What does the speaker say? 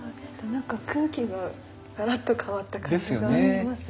なんか空気がガラっと変わった感じがしますね。